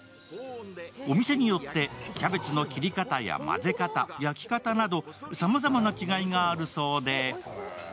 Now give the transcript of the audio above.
お店によってキャベツの切り方や混ぜ方、焼き方などさまざまな違いがあるそうで。